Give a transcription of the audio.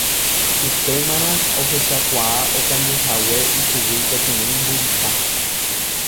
Upémarõ ohechakuaa okañyhague ichugui peteĩ mburika